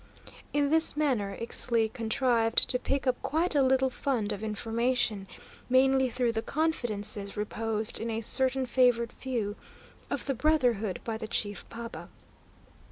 In this manner Ixtli contrived to pick up quite a little fund of information, mainly through the confidences reposed in a certain favoured few of the brotherhood by the chief paba.